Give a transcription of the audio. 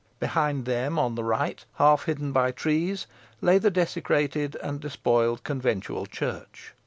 Behind them, on the right, half hidden by trees, lay the desecrated and despoiled conventual church.